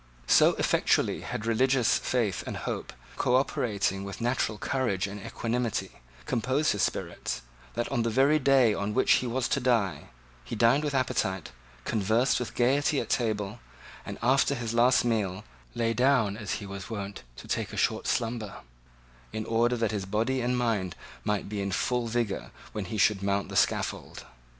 So effectually had religious faith and hope, co operating with natural courage and equanimity, composed his spirits, that, on the very day on which he was to die, he dined with appetite, conversed with gaiety at table, and, after his last meal, lay down, as he was wont, to take a short slumber, in order that his body and mind might be in full vigour when he should mount the scaffold.